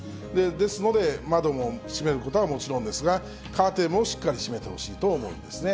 ですので、窓も閉めることはもちろんですが、カーテンもしっかり閉めてほしいと思うんですね。